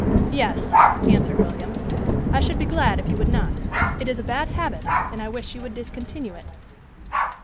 "Yes," answered William; "I should be glad if you would not. It is a bad habit, and I wish you would discontinue it."